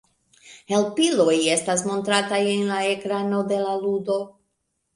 Helpiloj estas montrataj en la ekrano de la ludo.